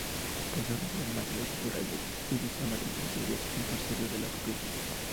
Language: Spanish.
Posee una gran mancha oscura en el iris amarillo, anterior y posterior la pupila.